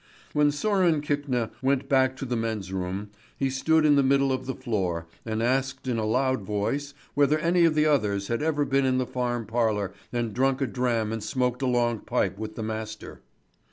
When Sören Kvikne came back to the men's room, he stood in the middle of the floor and asked in a loud voice whether any of the others had ever been in the farm parlour and drunk a dram and smoked a long pipe with the master.